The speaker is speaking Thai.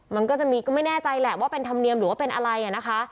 มันก็จะมีก็ไม่แน่ใจแหละว่าเป็นธรรมเนียมหรือว่าเป็นอะไรนะคะ